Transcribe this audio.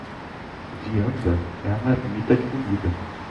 Vianda é a marmita de comida